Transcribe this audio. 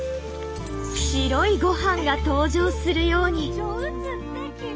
白いごはんが登場するように。